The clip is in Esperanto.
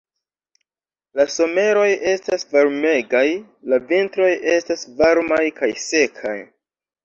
La someroj estas varmegaj, la vintroj estas malvarmaj kaj sekaj.